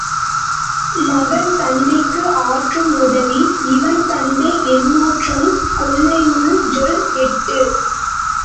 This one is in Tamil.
மகன்தந்தைக்கு ஆற்றும் உதவி இவன்தந்தை என்நோற்றான் கொல்லென்னுஞ் சொல் எட்டு.